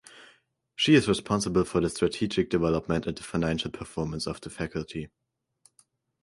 She is responsible for the strategic development and financial performance of the Faculty.